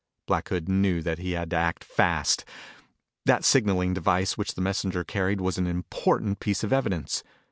Black Hood knew that he had to act fast. That signaling device which the messenger carried was an important piece of evidence.